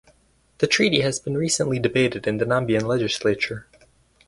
The treaty has been recently debated in the Namibian legislature.